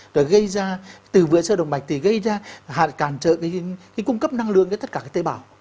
rồi gây ra từ vữa sơ động mạch thì gây ra hạt càn trợ cung cấp năng lượng cho tất cả các tế bào